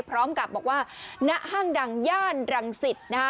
พร้อมกับบอกว่าณห้างดังย่านรังสิตนะฮะ